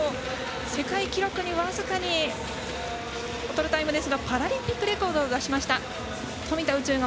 世界記録に僅かに劣るタイムですがパラリンピックレコードを出しました。